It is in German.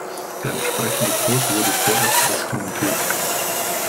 Der entsprechende Code wurde vorerst auskommentiert.